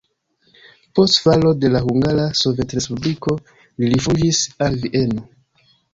Post falo de la Hungara Sovetrespubliko li rifuĝis al Vieno.